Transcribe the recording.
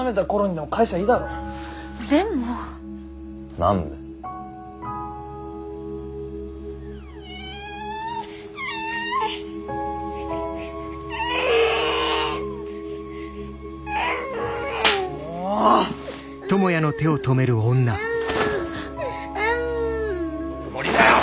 何のつもりだよ！